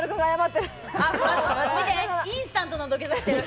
インスタントの土下座してる。